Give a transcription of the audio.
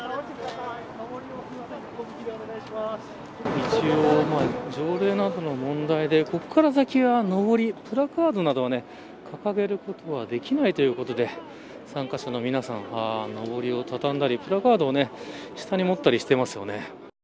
一応条例などの問題で、ここから先はのぼりやプラカードなどを掲げることできないということで参加者の皆さんはのぼりを畳んだりプラカードを下に持ったりしていますね。